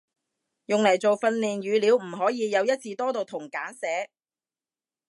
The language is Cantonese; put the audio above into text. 用嚟做訓練語料唔可以有一字多讀同簡寫